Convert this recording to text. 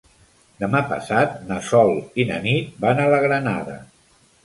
Demà passat na Sol i na Nit van a la Granada.